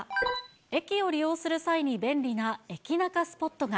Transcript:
駅を利用する際に便利な駅ナカスポットが。